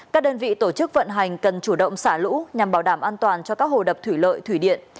các đơn vị tổ chức vận hành cần chủ động xả lũ nhằm bảo đảm an toàn cho các hồ đập thủy lợi thủy điện